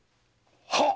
はっ。